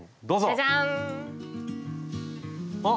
じゃじゃん！あっ！